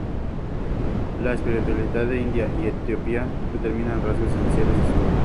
La espiritualidad de India y Etiopía determinan rasgos esenciales de su obra.